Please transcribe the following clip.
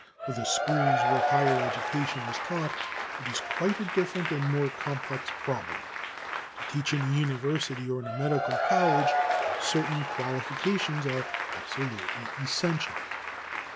For the schools where higher education is taught, it is quite a different and more complex problem. To teach in a university or in a medical college certain qualifications are absolutely essential.